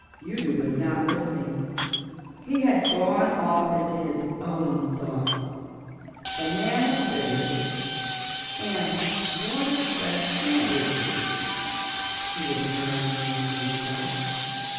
Udo was not listening. He had gone off into his own thoughts. "Banana fritters and watercress sandwiches," he was murmuring to himself.